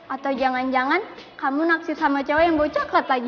atau jangan jangan kamu naksir sama cewek yang gue coklat lagi